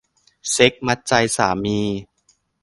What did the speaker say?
เซ็กส์มัดใจสามี